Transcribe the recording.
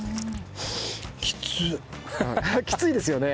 きついですよね。